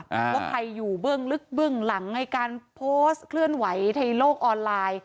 ว่าใครอยู่เบื้องลึกเบื้องหลังไอ้การโพสต์เคลื่อนไหวในโลกออนไลน์